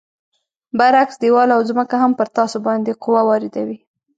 برعکس دیوال او ځمکه هم پر تاسو باندې قوه واردوي.